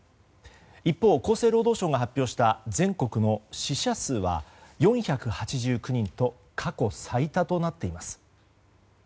一方、厚生労働省が発表した全国の死者数は４８９人と過去最多となっています。